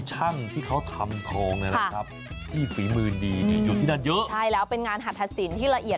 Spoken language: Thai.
ได้ให้ทองทองมวลไม่ก็ทองหยอด